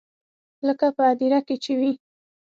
لکه په هديره کښې چې وي.